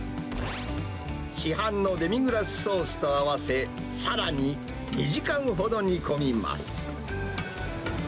市販のデミグラスソースと合わせ、さらに２時間ほど煮込みます。